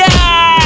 aku sudah menang